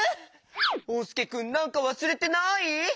おうすけくんなんかわすれてない？